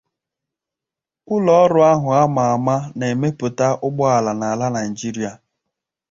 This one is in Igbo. ụlọọrụ ahụ a mà àma na-emepụta ụgbọala n'ala Nigeria